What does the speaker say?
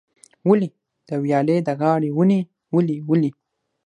ولي، د ویالې د غاړې ونې ولې ولي؟